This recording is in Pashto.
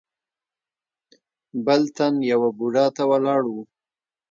بل تن يوه بوډا ته ولاړ و.